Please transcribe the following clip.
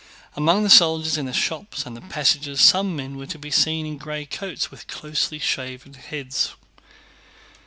Among the soldiers in the shops and passages some men were to be seen in gray coats, with closely shaven heads.